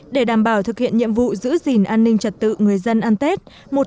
để đảm bảo thực hiện nhiệm vụ giữ gìn an ninh trật tự người dân ăn tết